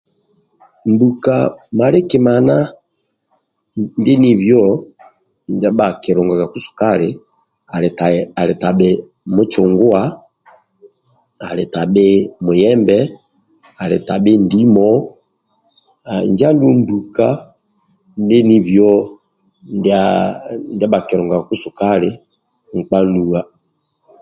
Mbuka malikimana ndie nibio ndia bhakilungagaku sukali ali tabhi mucunguwa ali tabhi muyembe ali tabhi ndimo injo andulu mbuka ndia bhalungagaku sukali nkpa anuwa